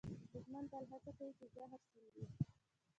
دښمن تل هڅه کوي چې زهر شیندي